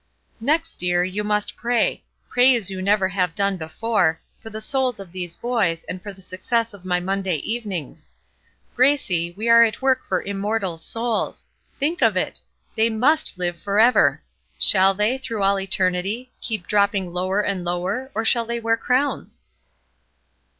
"Next, dear, you must pray. Pray as you never have done before, for the souls of these boys, and for the success of my 'Monday evenings.' Gracie, we are at work for immortal souls. Think of it! they must live forever. Shall they, through all eternity, keep dropping lower and lower, or shall they wear crowns?"